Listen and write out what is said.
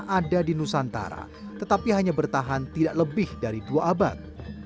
ada di nusantara tetapi hanya bertahan tidak lebih dari dua abad